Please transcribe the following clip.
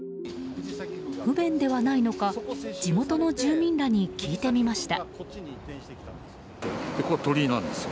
不便ではないのか地元の住民らに聞いてみました。